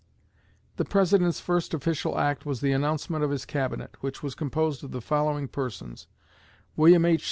The President's first official act was the announcement of his Cabinet, which was composed of the following persons: William H.